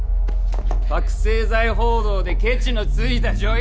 覚せい剤報道でケチのついた女優！